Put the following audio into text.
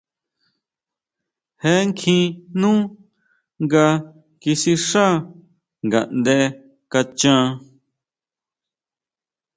Jé kjín nú nga kisixá ngaʼnde kachan.